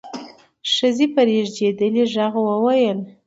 ښځې په رېږدېدلي غږ وويل: